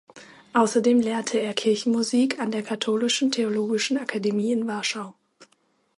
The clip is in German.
Außerdem lehrte er Kirchenmusik an der Katholischen Theologischen Akademie in Warschau.